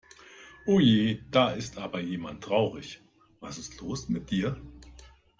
Oje, da ist aber jemand traurig. Was ist los mit dir?